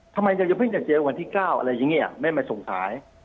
ทำไมจะไม่เจอกันวันที่๙อะไรอย่างนี้แม่มันสงสัย